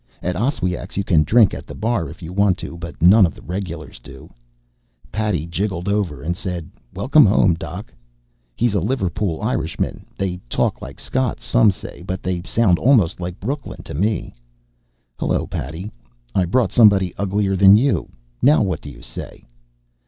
At Oswiak's you can drink at the bar if you want to, but none of the regulars do. Paddy jigged over and said: "Welcome home, Doc." He's a Liverpool Irishman; they talk like Scots, some say, but they sound almost like Brooklyn to me. "Hello, Paddy. I brought somebody uglier than you. Now what do you say?"